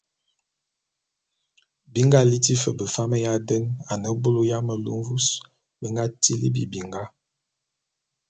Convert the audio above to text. Bi nga liti fe befam ya den a ne bulu ya melu mvus be nga tibili binga.